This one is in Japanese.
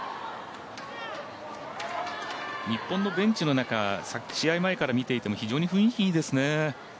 日本のベンチの中試合前から見ていても非常に雰囲気いいですね。